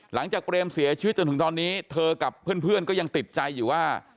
เปรมเสียชีวิตจนถึงตอนนี้เธอกับเพื่อนก็ยังติดใจอยู่ว่า